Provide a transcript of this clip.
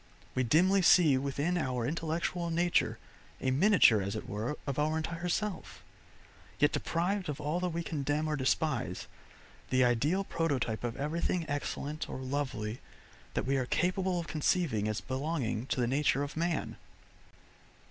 We dimly see within our intellectual nature a miniature as it were of our entire self, yet deprived of all that we condemn or despise, the ideal prototype of everything excellent or lovely that we are capable of conceiving as belonging to the nature of man.